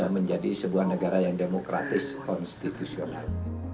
menjadi sebuah negara yang demokratis konstitusional